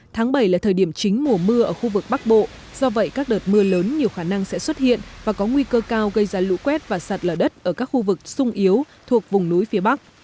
tháng bảy là thời điểm chính mùa mưa ở khu vực bắc bộ do vậy các đợt mưa lớn nhiều khả năng sẽ xuất hiện và có nguy cơ cao gây ra lũ quét và sạt lở đất ở các khu vực sung yếu thuộc vùng núi phía bắc